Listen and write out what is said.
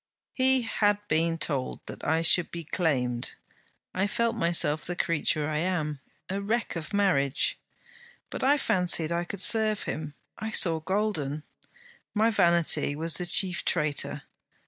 He had been told that I should be claimed. I felt myself the creature I am a wreck of marriage. But I fancied I could serve him: I saw golden. My vanity was the chief traitor.